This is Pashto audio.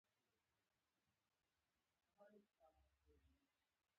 ویل کیږي چي حضرت رسول ص له هغه څخه مخ واړاوه.